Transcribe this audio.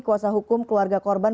kuasa hukum keluarga korban